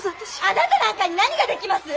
あなたなんかに何ができます！？